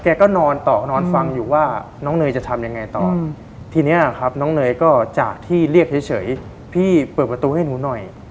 ก็นอนต่อนอนฟังอยู่ว่าน้องเนยจะทำยังไงต่อทีนี้ครับน้องเนยก็จากที่เรียกเฉยพี่เปิดประตูให้หนูหน่อย